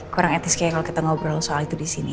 kurang etis kayaknya kalau kita ngobrol soal itu disini